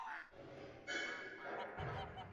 可以意晓之。